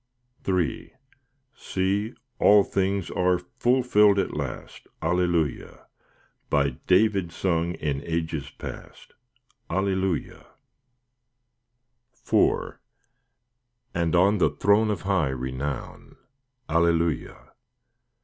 III See, all things are fulfilled at last, Alleluia! By David sung in ages past, Alleluia! IV And on the throne of high renown, Alleluia!